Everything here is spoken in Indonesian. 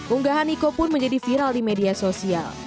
unggahan niko pun menjadi viral di media sosial